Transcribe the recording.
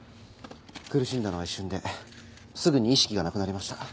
苦しんだのは一瞬ですぐに意識がなくなりました。